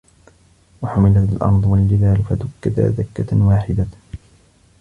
وَحُمِلَتِ الأَرضُ وَالجِبالُ فَدُكَّتا دَكَّةً واحِدَةً